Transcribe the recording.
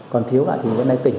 còn thiếu lại thì vẫn là tỉnh